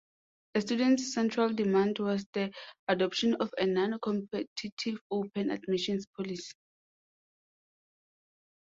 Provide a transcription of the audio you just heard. The students' central demand was the adoption of a non-competitive open admissions policy.